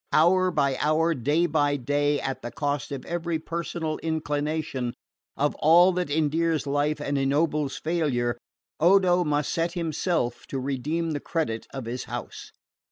Hour by hour, day by day, at the cost of every personal inclination, of all that endears life and ennobles failure, Odo must set himself to redeem the credit of his house.